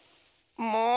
もう！